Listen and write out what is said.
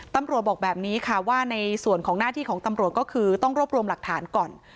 บอกแบบนี้ค่ะว่าในส่วนของหน้าที่ของตำรวจก็คือต้องรวบรวมหลักฐานก่อน